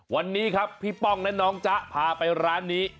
วันนี้ครับพี่ป้องและน้องจ๊ะพาไปร้านนี้